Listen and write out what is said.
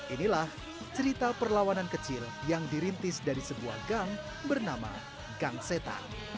inilah cerita perlawanan kecil yang dirintis dari sebuah gang bernama gang seta